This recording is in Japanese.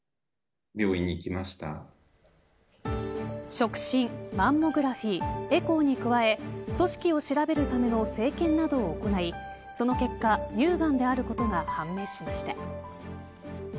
触診、マンモグラフィーエコーに加え組織を調べるための生検などを行いその結果乳がんであることが判明しました。